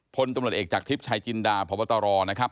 พลตำรวจเอกจากทริปชายจินดาพบตรนะครับ